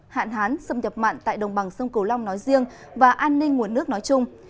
hạn hán xâm nhập mặn tại đồng bằng sông cửu long nói riêng và an ninh nguồn nước nói chung